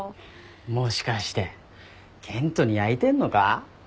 もしかして健人にやいてんのか？